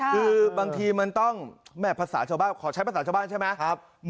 คือบางทีมันต้องแม่ภาษาชาวบ้านขอใช้ภาษาชาวบ้านใช่ไหม